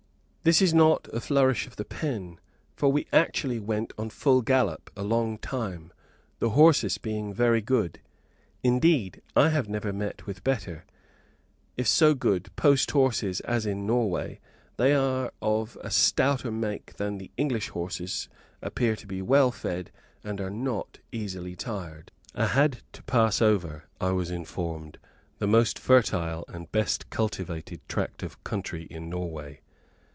This is not a flourish of the pen, for we actually went on full gallop a long time, the horses being very good; indeed, I have never met with better, if so good, post horses as in Norway. They are of a stouter make than the English horses, appear to be well fed, and are not easily tired. I had to pass over, I was informed, the most fertile and best cultivated tract of country in Norway.